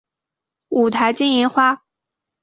五台金银花